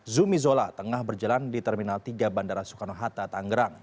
zumi zola tengah berjalan di terminal tiga bandara soekarno hatta tangerang